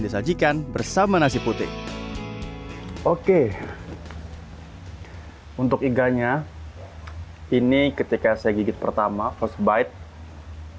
disajikan bersama nasi putih oke untuk iganya ini ketika saya gigit pertama cost bite